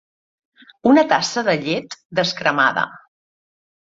Una tassa de llet descremada.